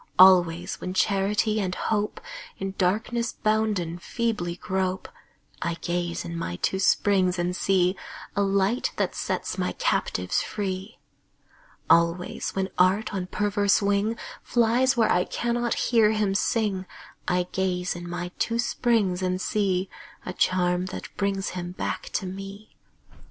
Always when Charity and Hope, In darkness bounden, feebly grope, I gaze in my two springs and see A Light that sets my captives free. Always, when Art on perverse wing Flies where I cannot hear him sing, I gaze in my two springs and see A charm that brings him back to me.